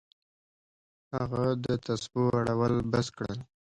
هغه د تسبو اړول بس کړل.